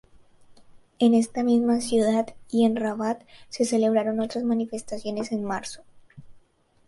En esta misma ciudad y en Rabat se celebraron otras manifestaciones en marzo.